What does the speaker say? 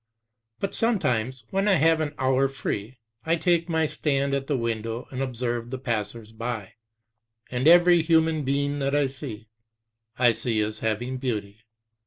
But sometimes, when I have an hour free, I take my stand at the window and observe the passers by; and every human being that I see, I see as having beauty.